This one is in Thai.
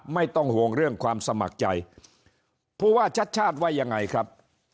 ไม่ต้องห่วงเรื่องความสมัครใจผู้ว่าชัดชาติว่ายังไงครับ